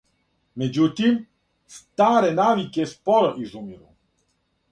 Међутим, старе навике споро изумиру.